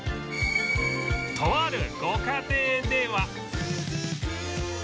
とあるご家庭では